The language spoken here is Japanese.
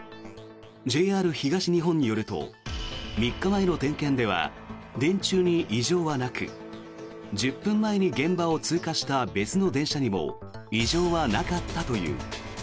ＪＲ東日本によると３日前の点検では電柱に異常はなく１０分前に現場を通過した別の電車にも異常はなかったという。